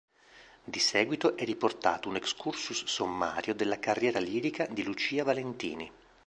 Di seguito è riportato un excursus sommario della carriera lirica di Lucia Valentini.